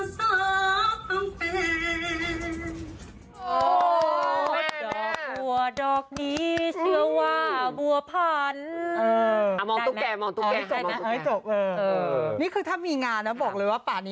สาวรีบบุดุมคนนั้นชื่อว่าบัวพันธ์